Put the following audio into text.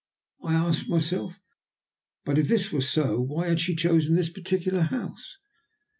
I asked myself. But if this were so, why had she chosen this particular house?